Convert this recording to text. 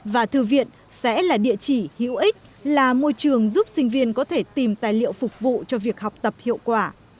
và thư viện sẽ là địa chỉ hữu ích là môi trường giúp sinh viên có thể tìm tài liệu phục vụ cho việc học tập hiệu quả